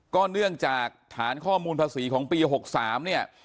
เนื่องจากฐานข้อมูลภาษีของปี๖๓เนี่ย